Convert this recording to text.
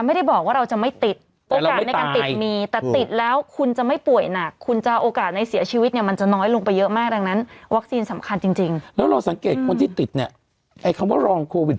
ไม่ได้บอกว่าเราจะไม่ติดโอกาสในการติดมี